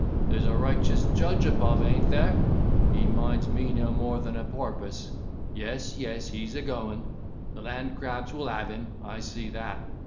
There's a righteous judge above, an't there? He minds me no more than a porpoise. Yes, yes, he's a going; the land crabs will have him, I see that!